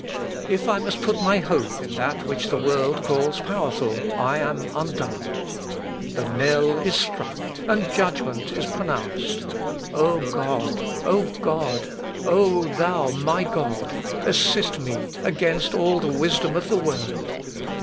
If I must put my hope in that which the world calls powerful, I am undone!... The knell is struck, and judgment is pronounced!... O God! O God! O thou, my God! assist me against all the wisdom of the world!